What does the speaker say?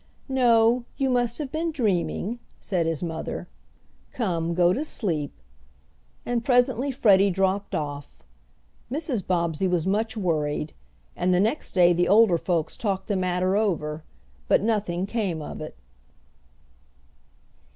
"No, you must have been dreaming," said his mother. "Come, go to sleep," and presently Freddie dropped off. Mrs. Bobbsey was much worried, and the next day the older folks talked the matter over; but nothing came of it.